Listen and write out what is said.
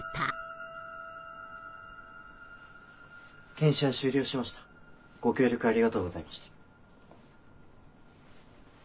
検視は終了しましたご協力ありがとうございました。